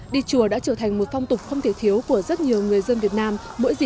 đi chùa đã trở thành một phong tục không thể thiếu của rất nhiều người dân việt nam